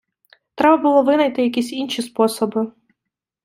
Треба було винайти якісь інші способи.